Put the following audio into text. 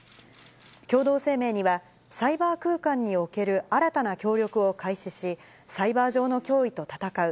共同声明には、サイバー空間における新たな協力を開始し、サイバー上の脅威と戦う。